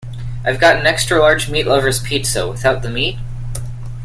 I’ve got an extra large meat lover’s pizza, without the meat?